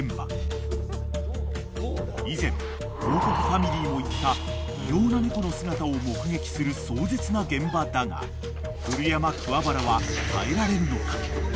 ［以前王国ファミリーも行った異様な猫の姿を目撃する壮絶な現場だが古山桑原は耐えられるのか？］